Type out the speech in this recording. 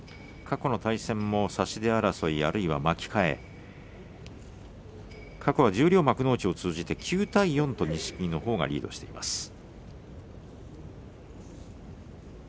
過去の対戦も差し手争いあるいは巻き替え過去、十両幕内、続いて９対４と錦木のほうがリードしています。